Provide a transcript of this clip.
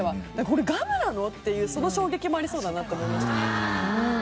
「これガムなの！？」っていうその衝撃もありそうだなって思いました。